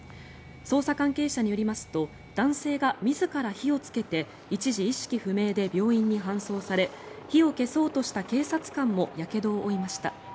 捜査関係者によりますと男性が自ら火をつけて一時、意識不明で病院に搬送され火を消そうとした警察官もやけどを負いました。